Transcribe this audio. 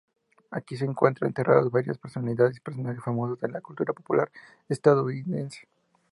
Aquí se encuentran enterradas varias personalidades y personajes famosas de la cultura popular estadounidense.